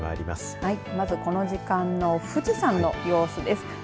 まず、この時間の富士山の様子です。